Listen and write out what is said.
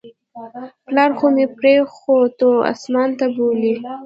پلار خو مې پرښتو اسمان ته بولى.